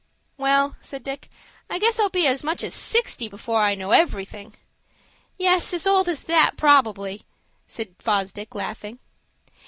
"Well," said Dick, "I guess I'll be as much as sixty before I know everything." "Yes; as old as that, probably," said Fosdick, laughing.